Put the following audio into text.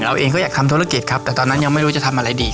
เราเองก็อยากทำธุรกิจครับแต่ตอนนั้นยังไม่รู้จะทำอะไรดี